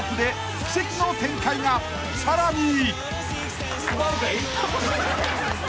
［さらに］